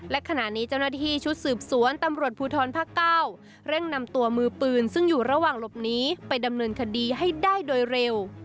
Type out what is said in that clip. และขณะนี้เจ้าหน้าที่ชุดสืบสวนตำรวจภูทรภาค๙เร่งนำตัวมือปืนซึ่งอยู่ระหว่างหลบหนีไปดำเนินคดีให้ได้โดยเร็ว